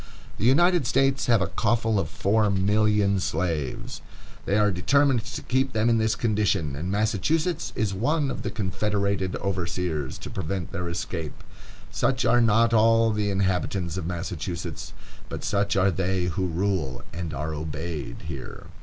The United States have a coffle of four millions of slaves. They are determined to keep them in this condition; and Massachusetts is one of the confederated overseers to prevent their escape. Such are not all the inhabitants of Massachusetts, but such are they who rule and are obeyed here.